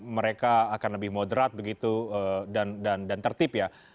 mereka akan lebih moderat begitu dan tertib ya